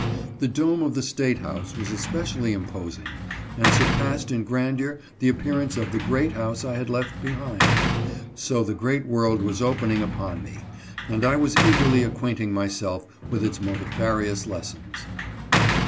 The dome of the State house was especially imposing, and surpassed in grandeur the appearance of the " great house " I had left behind. So the great world was open ing upon me, and I was eagerly acquainting myself with its multifarious lessons.